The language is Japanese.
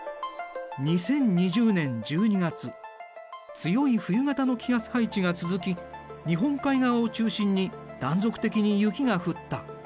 強い冬型の気圧配置が続き日本海側を中心に断続的に雪が降った。